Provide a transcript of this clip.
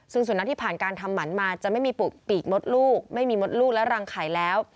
ซึ่งสุนัขที่ผ่านการทำหมันมาจะไม่มีปลูกปีกมดลูกไม่มีมดลูกและรังไข่แล้ว